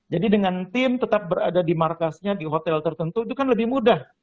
jadi dengan tim tetap berada di markasnya di hotel tertentu itu kan lebih mudah